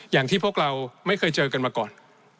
อย่างที่พวกเราไม่เคยเจอกันมาก่อน